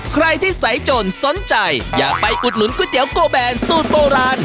ใครที่ใสจนสนใจอยากไปอุดหนุนก๋วยเตี๋ยโกแบนสูตรโบราณ